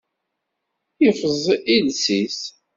Iffeẓ iles-is.